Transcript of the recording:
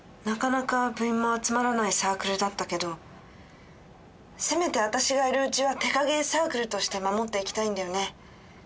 なかなか部員も集まらないサークルだったけどせめて私がいるうちは「手影絵サークル」として守っていきたいんだよね。